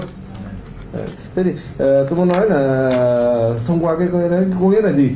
thế thì tôi muốn nói là thông qua cái gói ý là gì